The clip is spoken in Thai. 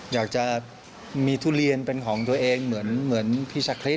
อยากจะมีทุเรียนเป็นของตัวเองเหมือนพี่ชาคริส